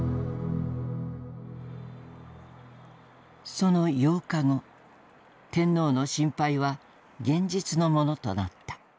その８日後天皇の心配は現実のものとなった。